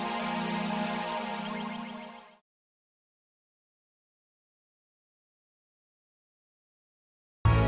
aku mau kasih anaknya